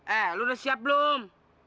eh lu udah siap belum